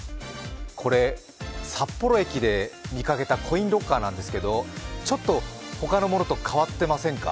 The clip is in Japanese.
これ、札幌駅で見かけたコインロッカーなんですけど、ちょっと他のものと変わってませんか？